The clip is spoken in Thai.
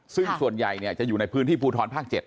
ซึ่งส่วนใหญ่จะอยู่ในพื้นที่ภูทรภาค๗